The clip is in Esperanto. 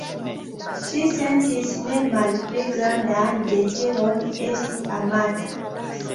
Ŝi sentis ne malpli grandan deziron esti amata.